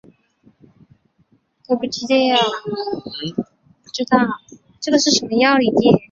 北起淮海中路。